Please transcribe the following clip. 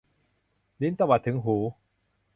ลิ้นตวัดถึงหู